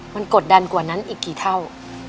มันกดดันกว่านั้นอีกกี่เท่า